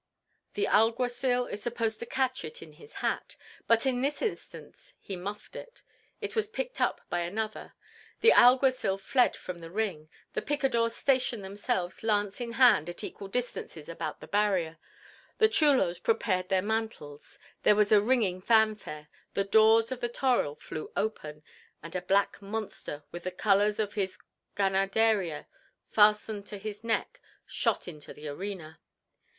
The alguacil is supposed to catch it in his hat, but in this instance he muffed it; it was picked up by another; the alguacil fled from the ring, the picadors stationed themselves lance in hand at equal distances about the barrier, the chulos prepared their mantles, there was a ringing fanfare, the doors of the toril flew open, and a black monster with the colors of his ganaderia fastened to his neck shot into the arena.